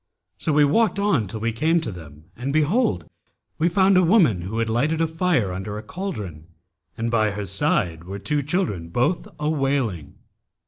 So we walked on till we came to them; and behold! we found a woman who had lighted a fire under a cauldron and by her side were two children, both a wailing.